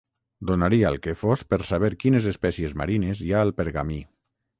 Donaria el que fos per saber quines espècies marines hi ha al pergamí.